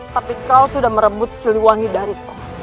tapi kau sudah merebut siliwangi dariku